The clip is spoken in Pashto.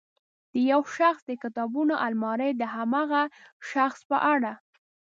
د یو شخص د کتابونو المارۍ د هماغه شخص په اړه.